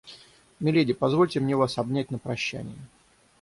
Миледи, позвольте мне вас обнять на прощание.